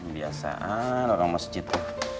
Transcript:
biasaan orang masjid tuh